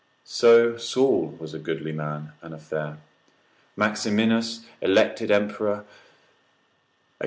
So Saul was a goodly person and a fair. Maximinus elected emperor, &c.